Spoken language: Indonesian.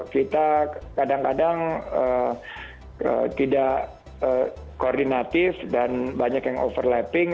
kita kadang kadang tidak koordinatif dan banyak yang overlapping